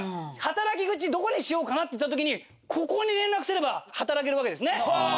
働き口どこにしようかなっていった時にここに連絡すれば働けるわけですね。